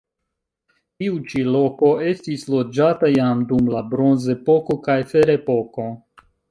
Tiu ĉi loko estis loĝata jam dum la bronzepoko kaj ferepoko.